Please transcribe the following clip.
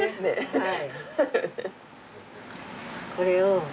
はい。